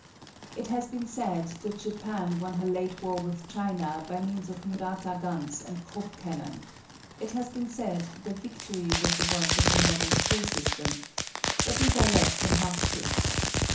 It has been said that Japan won her late war with China by means of Murata guns and Krupp cannon; it has been said the victory was the work of a modern school system; but these are less than half truths.